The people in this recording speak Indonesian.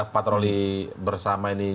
patroli bersama ini